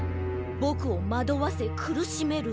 ぼくをまどわせくるしめる。